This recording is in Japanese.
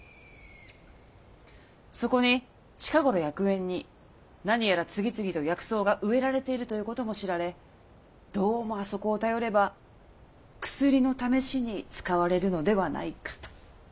そこに近頃薬園に何やら次々と薬草が植えられているということも知られどうもあそこを頼れば薬の試しに使われるのではないかと。